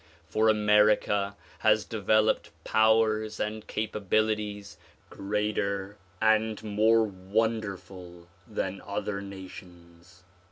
For America has developed powers and capa bilities greater and more wonderful than other nations.